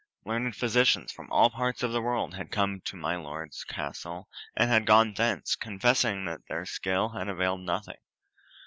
Learned physicians from all parts of the world had come to my lord's castle, and had gone thence, confessing that their skill had availed nothing.